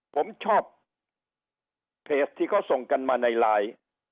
ผมชอบเพจที่เขาส่งกันมาในไลน์